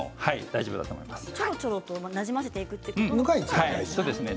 ちょろちょろとなじませていくというのが大事なんですね。